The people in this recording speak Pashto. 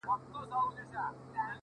یوازي له منصور سره لیکلی وو ښاغلی٫